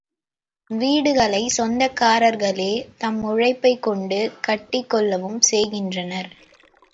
வீடுகளைச் சொந்தக்காரர்களே தம் உழைப்பைக் கொண்டு கட்டிக்கொள்ளவும் செய்கின்றனர்.